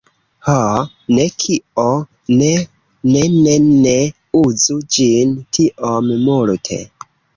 Ho.. ne kio? Ne! Ne ne ne ne uzu ĝin tiom multe!